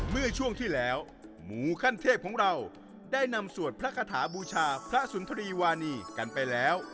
เมื่อช่วงที่แล้วหมูขั้นเทพของเราได้นำสวดพระคาถาบูชาพระสุนทรีวานีกันไปแล้ว